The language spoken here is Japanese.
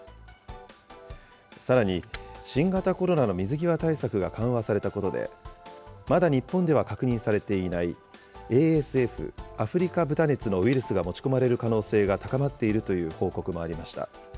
さらに新型コロナの水際対策が緩和されたことで、まだ日本では確認されていないＡＳＦ・アフリカ豚熱のウイルスが持ち込まれる可能性が高まっているという報告もありました。